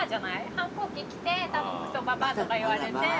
反抗期来てたぶんクソばばあとか言われて。